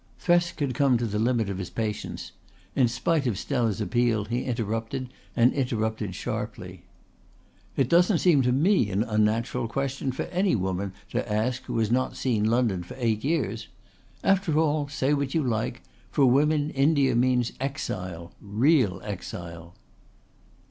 Thresk had come to the limit of his patience. In spite of Stella's appeal he interrupted and interrupted sharply. "It doesn't seem to me an unnatural question for any woman to ask who has not seen London for eight years. After all, say what you like, for women India means exile real exile."